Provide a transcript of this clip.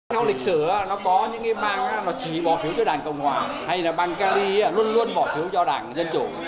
theo lịch sử nó có những bang chỉ bỏ phiếu cho đảng cộng hòa hay là bang cali luôn luôn bỏ phiếu cho đảng dân chủ